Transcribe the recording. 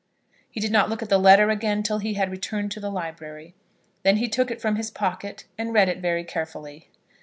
He did not look at the letter again till he had returned to the library. Then he took it from his pocket, and read it very carefully.